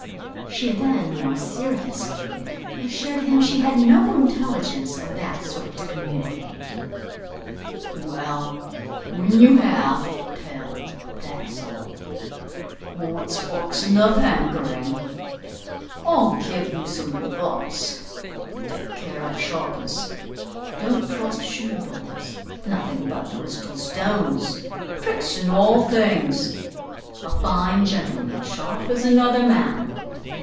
She then, more seriously, assured him she had no intelligence of that sort to communicate. "Well, when you have, tell, that's all. Warrant sparks enough hankering. I'll give you some advice Take care of sharpers; don't trust shoe buckles, nothing but Bristol stones! tricks in all things. A fine gentleman sharp as another man.